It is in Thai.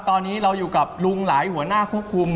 ตอนนี้เราอยู่กับลุงหลายหัวหน้าควบคุม